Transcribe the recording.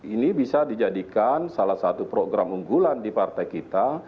ini bisa dijadikan salah satu program unggulan di partai kita